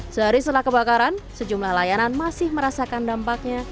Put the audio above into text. sehari setelah kebakaran sejumlah layanan masih merasakan dampaknya